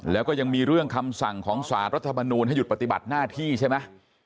แล้วก็ยังมีเรื่องคำสั่งของสารรัฐมนูลให้หยุดปฏิบัติหน้าที่ใช่ไหม